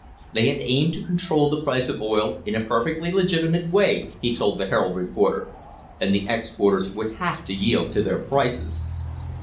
They had aimed to control the price of oil in a perfectly legitimate way, he told the Herald reporter, and the exporters would have to yield to their prices.